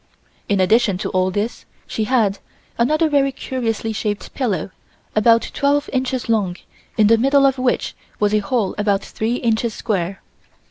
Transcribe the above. In addition to all these, she had another very curiously shaped pillow about twelve inches long in the middle of which was a hole about three inches square.